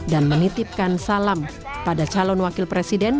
dan mengitipkan salam pada calon wakil presiden